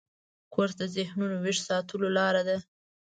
کورس د ذهنو ویښ ساتلو لاره ده.